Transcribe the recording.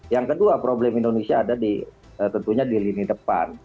yang kedua problem indonesia ada di tentunya di lini depan